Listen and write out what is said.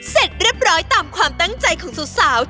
เสร็จเรียบร้อยตามความตั้งใจของสาว